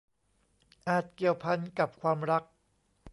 อาจเกี่ยวพันกับความรัก